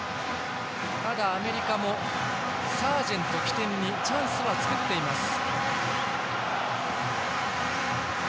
ただ、アメリカもサージェント起点にチャンスは作っています。